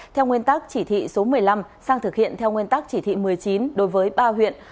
theo nguyên tắc chỉ thị số một mươi năm sang thực hiện theo nguyên tắc chỉ thị một mươi chín đối với ba huyện